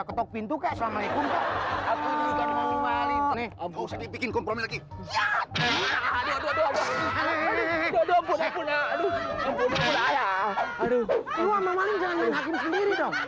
ketok pintu ke sama ikut nih bikin kompromi lagi ya aduh aduh aduh aduh aduh aduh aduh aduh